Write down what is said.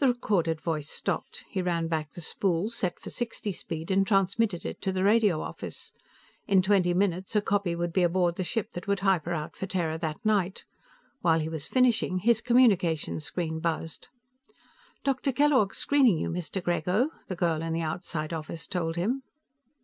The recorded voice stopped. He ran back the spool, set for sixty speed, and transmitted it to the radio office. In twenty minutes, a copy would be aboard the ship that would hyper out for Terra that night. While he was finishing, his communication screen buzzed. "Dr. Kellogg's screening you, Mr. Grego," the girl in the outside office told him.